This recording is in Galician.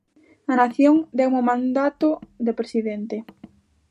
A nación deume o mandato de presidente.